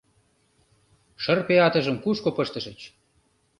Шырпе атыжым кушко пыштыш?